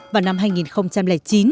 vào năm hai nghìn chín